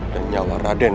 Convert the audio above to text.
dan nyawa raden